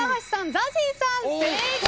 ＺＡＺＹさん正解。